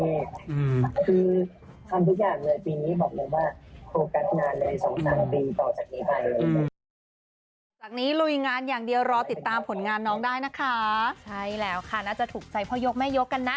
คือทำทุกอย่างเลยปีนี้บอกเลยว่าโฟกัสงานเลย๒๓ปีต่อจากนี้ไป